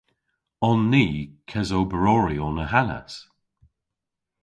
On ni kesoberoryon ahanas?